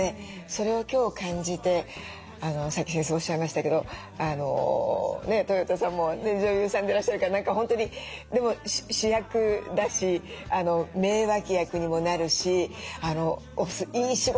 それを今日感じてさっき先生おっしゃいましたけどとよたさんも女優さんでいらっしゃるから何か本当にでも主役だし名脇役にもなるしお酢いい仕事されるなって。